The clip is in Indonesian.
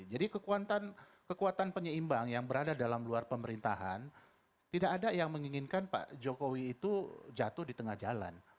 jadi kekuatan penyeimbang yang berada dalam luar pemerintahan tidak ada yang menginginkan pak jokowi itu jatuh di tengah jalan